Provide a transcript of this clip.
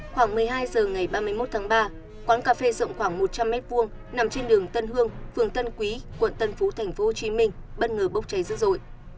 khoảng một mươi hai h ngày ba mươi một tháng ba quán cà phê rộng khoảng một trăm linh m hai nằm trên đường tân hương phường tân quý quận tân phú tp hcm bất ngờ bốc cháy dữ dội